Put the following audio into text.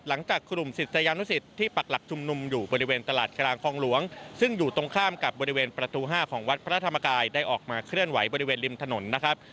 หลังจากกลุ่มศิษยานุสิตที่ปักหลักชุมนุมอยู่บริเวณตลาดกลางคลองหลวงซึ่งอยู่ตรงข้ามกับบริเวณประตู๕ของวัดพระธรรมกายได้ออกมาเคลื่อนไหวบริเวณริมถนนนะครับ